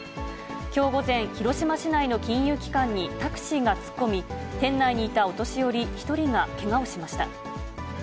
きょう午前、広島市内の金融機関にタクシーが突っ込み、店内にいたお年寄り１人がけがをしました。